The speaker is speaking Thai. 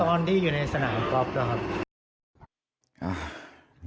ออนดี้อยู่ในสนามก๊อฟแล้วครับ